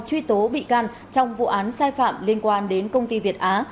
truy tố bị can trong vụ án sai phạm liên quan đến công ty việt á